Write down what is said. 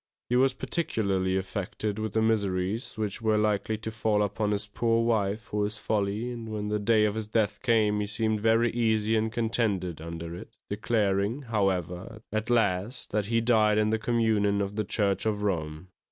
He was particularly affected with the miseries which were likely to fall upon his poor wife for his folly, and when the day of his death came, he seemed very easy and contented under it, declaring, however, at last that he died in the communion of the Church of Rome.